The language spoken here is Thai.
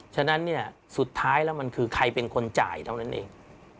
ฉะนั้นเนี่ยสุดท้ายแล้วมันคือใครเป็นคนจ่ายเท่านั้นเอง